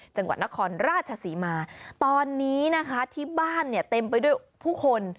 จังหวัดนครราชศรีมาตอนนี้นะคะที่บ้านเนี่ยเต็มไปด้วยผู้คน